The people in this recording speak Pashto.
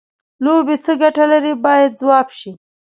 لوبې څه ګټه لري باید ځواب شي.